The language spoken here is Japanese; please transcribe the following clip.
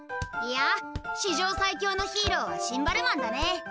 いや史上最強のヒーローはシンバルマンだね。